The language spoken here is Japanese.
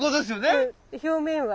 表面は？